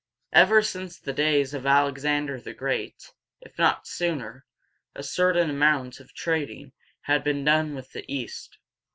Ever since the days of Al ex an´der the Great, if not sooner, a certain amount of trading had been done with the East.